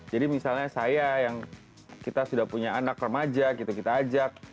jadi misalnya saya yang kita sudah punya anak remaja gitu kita ajak